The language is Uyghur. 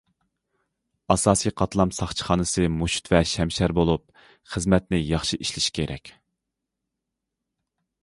ئاساسىي قاتلام ساقچىخانىسى مۇشت ۋە شەمشەر بولۇپ، خىزمەتنى ياخشى ئىشلىشى كېرەك.